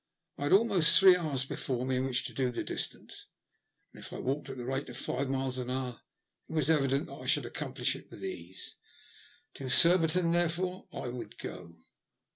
I had almost three hours before me in which to do the distance, and if I walked at the rate of five miles an hour it was evident I should accomplish it with ease. To Surbiton, there fore, I would go.